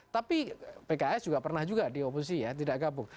tapi pks juga pernah juga dioposisi ya tidak gabung